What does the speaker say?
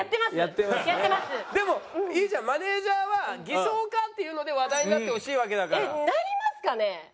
でもいいじゃんマネージャーは「偽装か？」っていうので話題になってほしいわけだから。なりますかね？